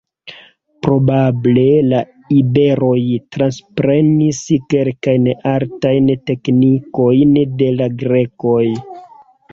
Probable la iberoj transprenis kelkajn artajn teknikojn de la grekoj.